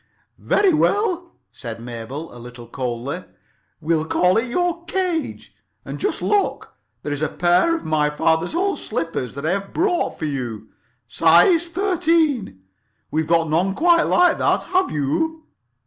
"Very well," said Mabel, a little coldly, "we'll call it your cage. And just look. There is a pair of my father's old slippers that I have brought for you. Size thirteen. You've got none quite like that, have you?"